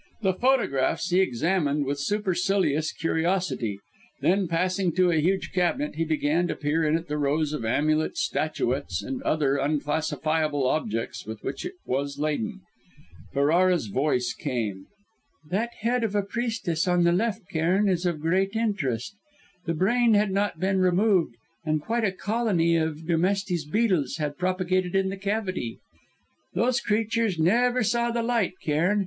The photographs he examined with supercilious curiosity. Then, passing to a huge cabinet, he began to peer in at the rows of amulets, statuettes and other, unclassifiable, objects with which it was laden. Ferrara's voice came. "That head of a priestess on the left, Cairn, is of great interest. The brain had not been removed, and quite a colony of Dermestes Beetles had propagated in the cavity. Those creatures never saw the light, Cairn.